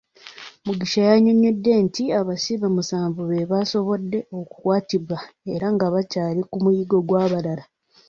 Mugisha yannyonnyodde nti abasibe musanvu bbo basobodde okukwatibwa era nga bakyali ku muyiggo gw'abalala.